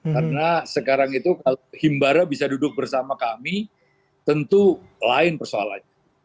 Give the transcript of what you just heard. karena sekarang itu kalau himbara bisa duduk bersama kami tentu lain persoalannya